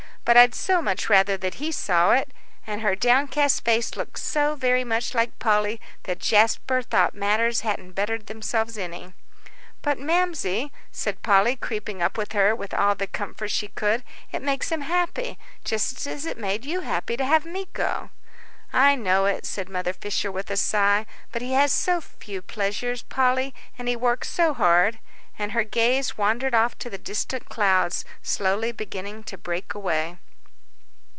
"But I'd so much rather that he saw it." And her downcast face looked so very much like Polly, that Jasper thought matters hadn't bettered themselves any. "But, Mamsie," said Polly, creeping up to her with all the comfort she could, "it makes him happy, just as it made you happy to have me go." "I know it," said Mother Fisher, with a sigh, "but he has so few pleasures, Polly, and he works so hard." And her gaze wandered off to the distant clouds, slowly beginning to break away.